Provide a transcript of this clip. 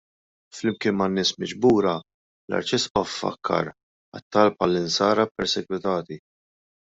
Flimkien man-nies miġbura, l-Arċisqof fakkar għat-talb għall-Insara ppersegwitati.